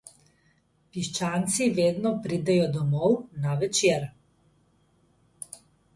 Piščanci vedno pridejo domov na večer.